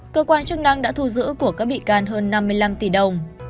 cơ quan chức năng đã thu giữ của các bị can hơn năm mươi năm tỷ đồng